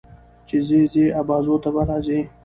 چې ځې ځې ابازو ته به راځې